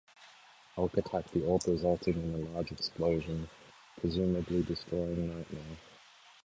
Hulk attacked the orb resulting in a large explosion, presumably destroying Nightmare.